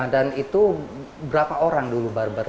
dan itu berapa orang dulu barbershop